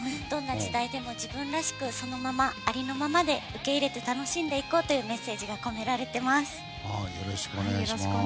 どんな時代でも自分らしくありのまま受け入れて楽しんでいこうというメッセージが込められています。